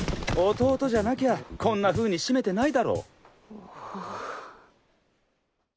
弟じゃなきゃこんな風にシメてないだろ。